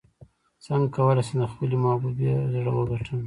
څنګه کولی شم د خپلې محبوبې زړه وګټم